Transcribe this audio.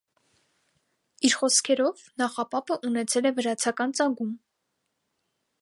Իր խոսքերով, նախապապը ունեցել է վրացական ծագում։